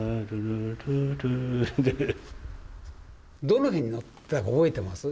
どの辺に乗ってたか覚えてます？